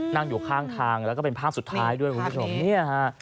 นั่งอยู่ข้างทางแล้วก็เป็นภาพสุดท้ายด้วยคุณผู้ชมเนี่ยฮะ